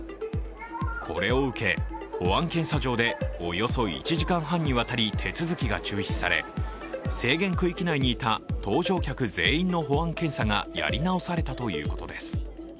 これを受け、保安検査場でおよそ１時間半にわたり制限区域内にいた搭乗客全員の保安検査がやり直されたということです。